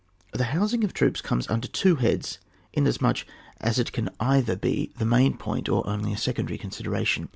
The housing of troops comes under two heads, inasmuch as it can either be the main point or only a secondary con* sideration.